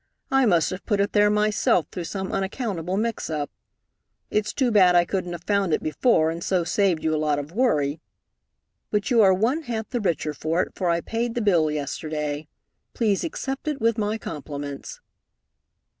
I must have put it there myself through some unaccountable mix up. It's too bad I couldn't have found it before and so saved you a lot of worry. But you are one hat the richer for it, for I paid the bill yesterday. Please accept it with my compliments."